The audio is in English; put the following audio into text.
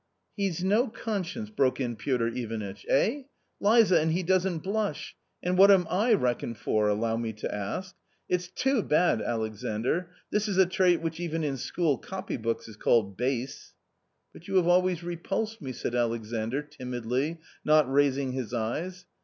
" He's no conscience !" broke in Piotr Ivanitch, " eh ? Liza, and he doesn't blush ! and what am I reckoned for, allow me to ask? It's too bad, Alexandr; this is a trait which even in school copy books is called base? " But you have always repulsed me," said Alexandr, timidly, not raising his eyes.